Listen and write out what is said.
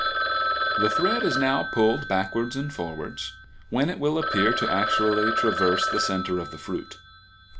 The thread is now pulled backwards and forwards, when it will appear to actually traverse the center of the fruit.